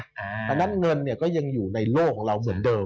เพราะฉะนั้นเงินเนี่ยก็ยังอยู่ในโลกของเราเหมือนเดิม